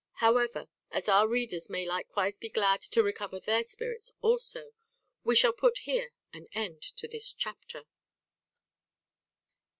However, as our readers may likewise be glad to recover their spirits also, we shall here put an end to this chapter.